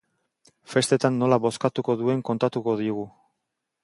Festetan nola bozkatuko duen kontatu digu.